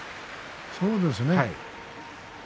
そうですね。